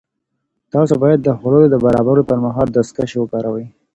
تاسو باید د خوړو د برابرولو پر مهال دستکشې وکاروئ.